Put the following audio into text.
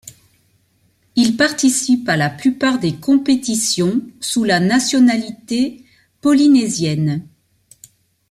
Il participe à la plupart des compétitions sous la nationalité polynésienne.